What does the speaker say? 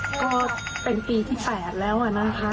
ก็เป็นปีที่๘แล้วนะคะ